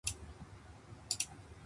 米を耕す